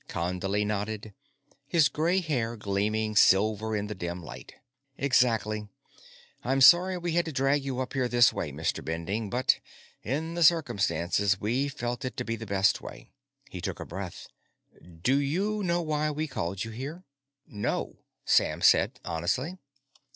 Condley nodded, his gray hair gleaming silver in the dim light. "Exactly. I'm sorry we had to drag you up here this way, Mr. Bending, but, in the circumstances, we felt it to be the best way." He took a breath. "Do you know why we called you here?" "No," Sam said honestly.